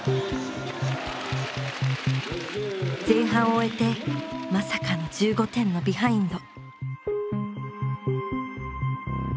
前半を終えてまさかの１５点のビハインド。